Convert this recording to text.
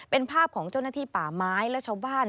เป็นภาพของเจ้าหน้าที่ป่าไม้และชาวบ้าน